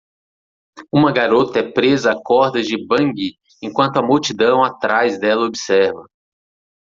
Uma garota é presa a cordas de bungee enquanto a multidão atrás dela observa.